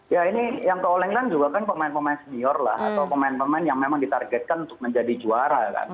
ya ini yang ke all england juga kan pemain pemain senior lah atau pemain pemain yang memang ditargetkan untuk menjadi juara kan